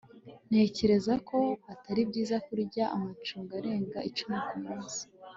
ntekereza ko atari byiza kurya amacunga arenga icumi kumunsi